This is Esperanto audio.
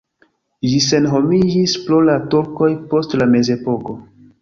Ĝi senhomiĝis pro la turkoj post la mezepoko.